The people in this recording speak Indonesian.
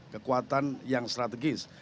kekuatan yang strategis